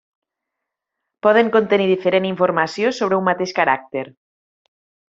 Poden contenir diferent informació sobre un mateix caràcter.